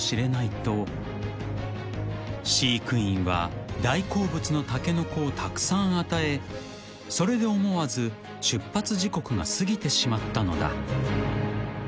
［飼育員は大好物のタケノコをたくさん与えそれで思わず出発時刻が過ぎてしまったのだ］